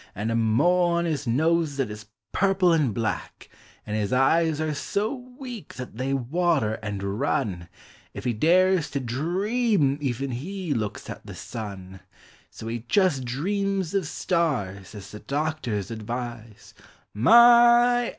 And a mole on his nose that is purple and black; And his eyes are so weak that they water and run If he dares to dream even he looks at the sun So he jes' dreams of stars, as the doctors advise — My!